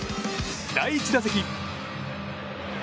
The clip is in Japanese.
第１打席。